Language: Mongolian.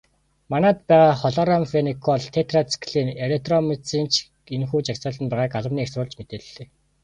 Манайд байгаа хлорамфеникол, тетрациклин, эритромицин ч энэхүү жагсаалтад байгааг албаны эх сурвалж мэдээллээ.